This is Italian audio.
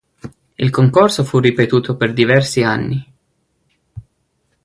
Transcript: Il concorso fu ripetuto per diversi anni.